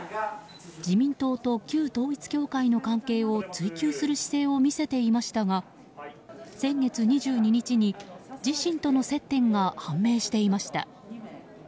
自民党と旧統一教会の関係を追及する姿勢を見せていましたが先月２２日に、自身との接点が判明していました。